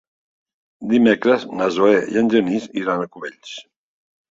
Dimecres na Zoè i en Genís iran a Cubells.